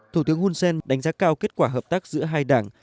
thủ tướng hun sen đánh giá cao kết quả hợp tác giữa hai đảng